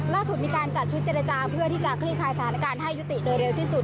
ล่าสุดมีการจัดชุดเจรจาเพื่อที่จะคลี่คลายสถานการณ์ให้ยุติโดยเร็วที่สุด